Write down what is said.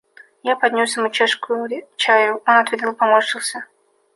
Я поднес ему чашку чаю; он отведал и поморщился.